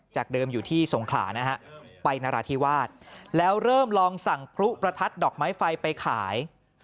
เดิมอยู่ที่สงขลานะฮะไปนราธิวาสแล้วเริ่มลองสั่งพลุประทัดดอกไม้ไฟไปขาย